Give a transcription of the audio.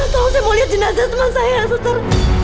tolong saya mau lihat jenazah teman saya suster